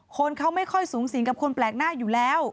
คนเขาไม่ค่อยสูงสิงกับคนแปลกหน้าอยู่แล้ว